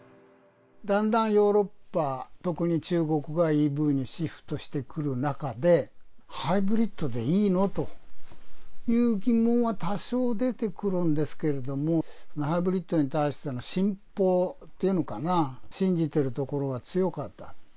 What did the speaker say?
だんだんヨーロッパ、特に中国がＥＶにシフトしてくる中で、ハイブリッドでいいの？という疑問は多少出てくるんですけれども、ハイブリッドに対しての信奉っていうのかな、信じてるところが強かった。